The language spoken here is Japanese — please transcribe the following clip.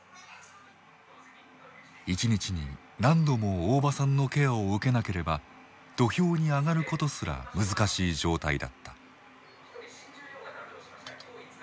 一日に何度も大庭さんのケアを受けなければ土俵に上がることすら難しい状態だった。